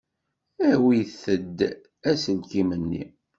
Awit-d aselkim-nni.